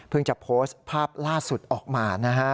จะโพสต์ภาพล่าสุดออกมานะฮะ